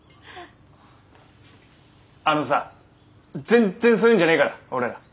あのさぜんっぜんそういうんじゃねえから俺ら。